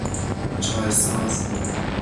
چای ساز